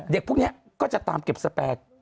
พวกนี้ก็จะตามเก็บสแปร